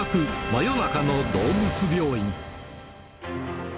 真夜中の動物病院。